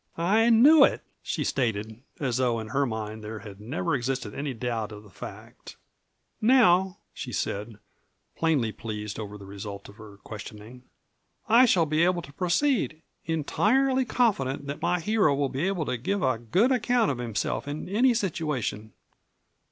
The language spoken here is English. "I knew it," she stated, as though in her mind there had never existed any doubt of the fact. "Now," she said, plainly pleased over the result of her questioning, "I shall be able to proceed, entirely confident that my hero will be able to give a good account of himself in any situation."